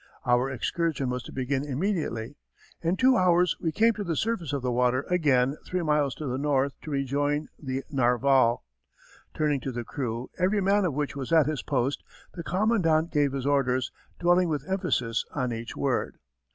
Our excursion was to begin immediately; in two hours we came to the surface of the water again three miles to the north to rejoin the Narval. Turning to the crew, every man of which was at his post, the commandant gave his orders, dwelling with emphasis on each word.